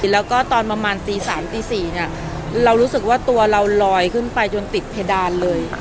แล้วก็ตอนประมาณตี๓ตี๔เนี่ยเรารู้สึกว่าตัวเราลอยขึ้นไปจนติดเพดานเลย